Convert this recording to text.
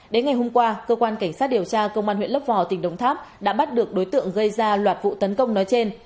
đến ngày hôm qua cơ quan cảnh sát điều tra công an huyện lấp vò tỉnh đồng tháp đã bắt được đối tượng gây ra loạt vụ tấn công nói trên